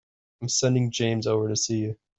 I'm sending James over to see you.